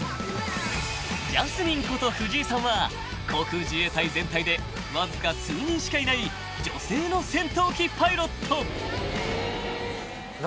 ［ジャスミンこと藤井さんは航空自衛隊全体でわずか数人しかいない女性の戦闘機パイロット］